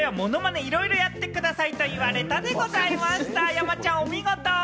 山ちゃん、お見事！